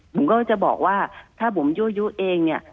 ผมก็จะบอกว่าถ้าผมยั่วยุเองเนี่ย